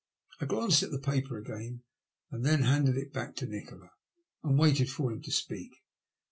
I glanced at the paper again, and then handed it back to Nikola, and waited for him to speak.